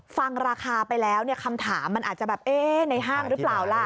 ฟังราคาไปแล้วเนี่ยคำถามมันอาจจะแบบเอ๊ะในห้างหรือเปล่าล่ะ